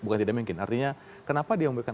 bukan tidak mungkin artinya kenapa dia memberikan